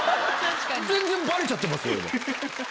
全然バレちゃってますよ。